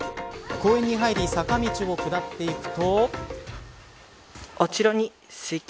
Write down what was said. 公園に入り坂道を下っていくと。